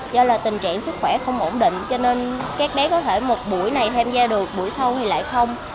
do là tình trạng sức khỏe không ổn định cho nên các bé có thể một buổi này tham gia được buổi sau thì lại không